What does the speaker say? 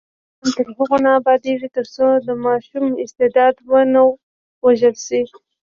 افغانستان تر هغو نه ابادیږي، ترڅو د ماشوم استعداد ونه وژل شي.